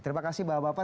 terima kasih bapak bapak